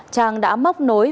trang đã móc nội dung